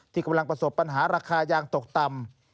กำลังประสบปัญหาราคายางตกต่ำ